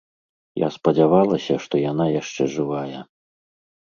Я спадзявалася, што яна яшчэ жывая.